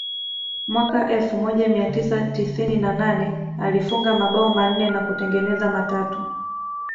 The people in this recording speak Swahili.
Mwaka elfu moja mia tisa tisini na nane alifunga mabao manne na kutengeneza matatu